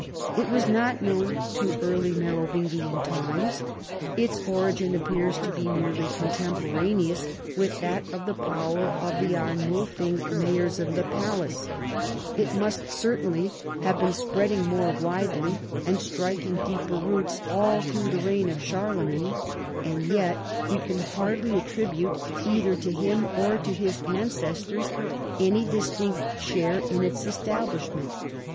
It was not known to early Merovingian times ; its origin appears to be nearly contemporaneous with that of the power of the Arnulfing mayors of the palace : it must 320 CHARLEMAGNE. certainly have been spreading more widely and striking deeper roots all through the reign of Charlemagne, and j^et we can hardly attribute either to him or to his ancestors any distinct share in its establishment.